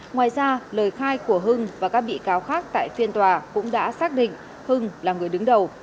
ngoài ra lời khai của hưng và các bị cáo khác tại phiên tòa cũng đã xác định hưng là người đứng đầu